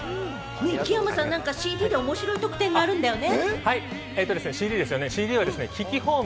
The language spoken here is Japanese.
木山さん、何かＣＤで面白い特典があるんだよね？